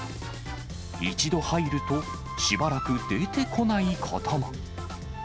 一度入るとしばらく出てこないことも。